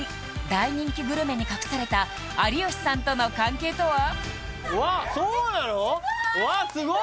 大人気グルメに隠された有吉さんとの関係とは？